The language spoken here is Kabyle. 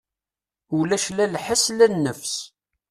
Ulac la lḥes la nnefs.